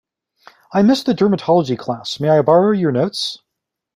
I missed the dermatology class, may I borrow your notes?